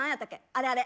あれあれ。